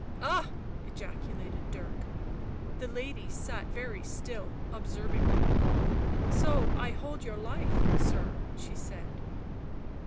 " Ah !" ejaculated Dirk. The lady sat very still, observing him. " So I hold your life, sir," she said.